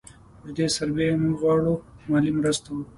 پر دې برسېره موږ غواړو مالي مرستې وکړو.